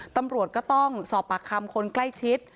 ตำรวจก็ต้องสอบปากคำคนใกล้ชิด